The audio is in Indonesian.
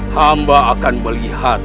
hamba akan melihat